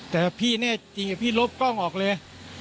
แต่พี่แน่จริงพี่ลบกล้องออกเลย